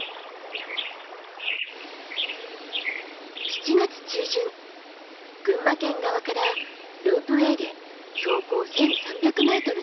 ７月中旬群馬県側からロープウエーで標高１，３００ｍの高原へ。